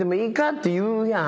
って言うやん。